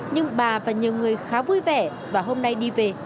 nhưng bà và nhiều người khá vui vẻ và hôm nay đi về